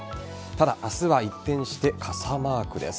ただ、明日は一転して傘マークです。